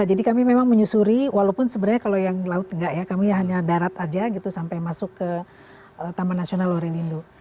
jadi kami memang menyusuri walaupun sebenarnya kalau yang laut nggak ya kami hanya darat aja gitu sampai masuk ke taman nasional lorelindo